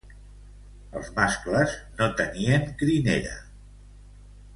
Els mascles no tenien crinera.